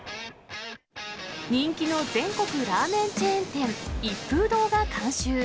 人気の全国ラーメンチェーン店、一風堂が監修。